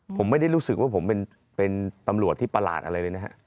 ผมไม่ได้รู้สึกว่าผมเป็นตำรวจที่ประหลาดอะไรเลยนะฮะ